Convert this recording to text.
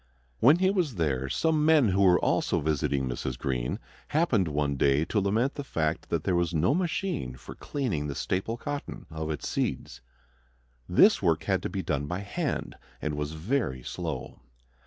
When he was there some men who were also visiting Mrs. Greene happened one day to lament the fact that there was no machine for cleaning the staple cotton of its seeds. This work had to be done by hand and was very slow.